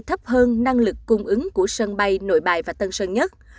thấp hơn năng lực cung ứng của sân bay nội bài và tân sơn nhất